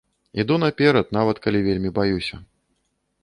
Іду наперад, нават калі вельмі баюся.